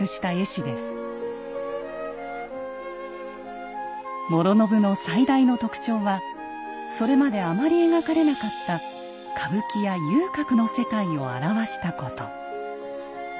師宣の最大の特徴はそれまであまり描かれなかった歌舞伎や遊郭の世界を表したこと。